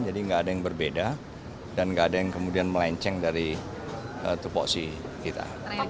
jadi enggak ada yang berbeda dan enggak ada yang kemudian melenceng dari tupuksi kita